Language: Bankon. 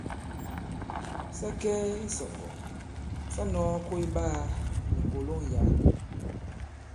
Sa kɛ i isɔ̀ŋgɔ̀ sa nɔ̄ɔ koy ɓaā ni ŋgòloŋ yǎ.